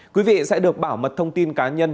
quý vị sẽ được bảo mật thông tin cá nhân